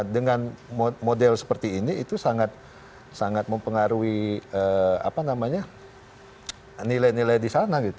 dengan model seperti ini itu sangat mempengaruhi nilai nilai di sana